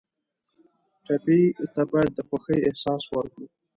ټپي ته باید د خوښۍ احساس ورکړو.